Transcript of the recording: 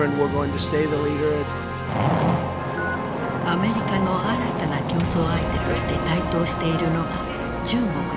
アメリカの新たな競争相手として台頭しているのが中国である。